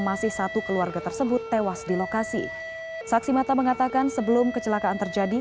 masih satu keluarga tersebut tewas di lokasi saksi mata mengatakan sebelum kecelakaan terjadi